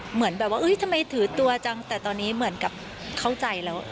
เหมือนแบบว่าทำไมถือตัวจังแต่ตอนนี้เหมือนกับเข้าใจแล้ว